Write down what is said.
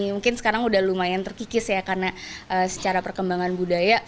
mungkin sekarang udah lumayan terkikis ya karena secara perkembangan budaya